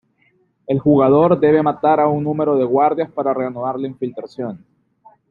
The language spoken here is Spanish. El jugador debe matar a un número de guardias para reanudar la infiltración.